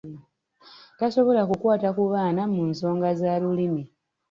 Tebasobola kukwata ku baana mu nsonga za Lulimi.